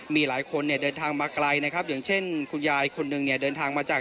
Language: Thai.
มีหลายคนเนี่ยเดินทางมาไกลนะครับอย่างเช่นคุณยายคนหนึ่งเนี่ยเดินทางมาจาก